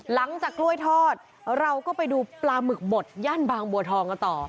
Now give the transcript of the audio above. หลังจากกล้วยทอดเราก็ไปดูปลาหมึกบดย่านบางบัวทองกันต่อ